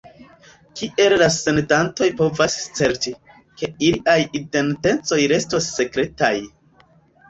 Kiel la sendantoj povas certi, ke iliaj identecoj restos sekretaj?